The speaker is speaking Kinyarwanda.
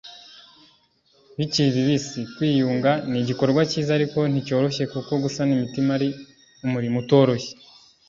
bikiri bibisi. kwiyunga ni igikorwa cyiza ariko nticyoroshye kuko gusana imitima ari umurimo utoroshye